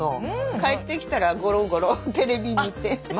帰ってきたらゴロゴロテレビ見て。